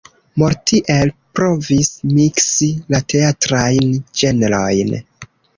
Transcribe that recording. Mortier provis miksi la teatrajn ĝenrojn.